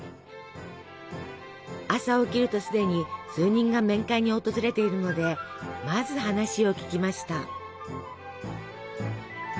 朝起きるとすでに数人が面会に訪れているのでまず話を聞きました。